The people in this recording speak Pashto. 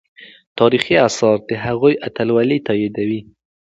تاریخي آثار د هغې اتلولي تاییدوي.